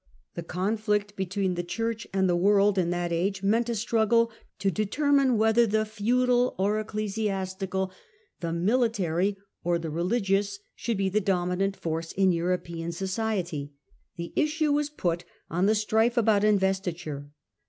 The conflict between the Church and the world in that age meant a struggle to determine whether the feudal or the ecclesiastical, the military or the religious should be the dominant force in European society. The issue was put on the strife about investiture.